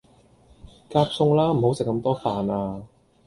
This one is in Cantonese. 夾餸啦，唔好食咁多飯呀